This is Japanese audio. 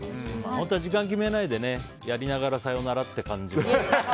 本当は時間決めないでやりながらさよならっていう感じも。